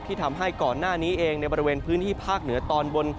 ทำให้ก่อนหน้านี้เองในบริเวณพื้นที่ภาคเหนือตอนบน